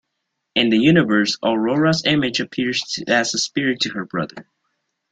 In the universe, Aurora's image appears as a spirit to her brother.